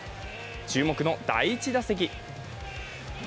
注目の第１打席。